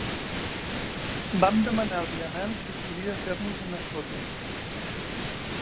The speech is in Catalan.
Vam demanar al vianant si podia fer-nos unes fotos.